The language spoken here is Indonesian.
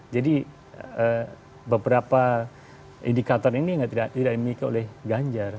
jadi beberapa indikator ini tidak dimiliki oleh ganjar